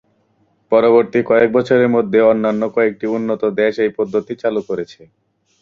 পরবর্তী কয়েক বছরের মধ্যে অন্যান্য কয়েকটি উন্নত দেশ এই পদ্ধতি চালু করেছে।